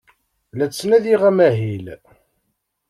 La ttnadiɣ amahil.